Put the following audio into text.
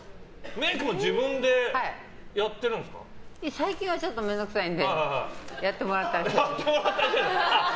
最近はちょっと面倒くさいのでやってもらったりしてますけど。